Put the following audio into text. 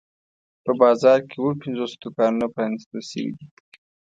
په بازار کې اووه پنځوس دوکانونه پرانیستل شوي دي.